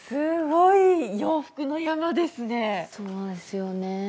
そうですよね。